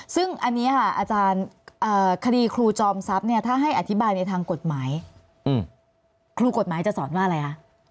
ซึ่งอันนี้ค่ะอาจารย์คดีครูจอมทรัพย์เนี่ยถ้าให้อธิบายในทางกฎหมายครูกฎหมายจะสอนว่าอะไรคะ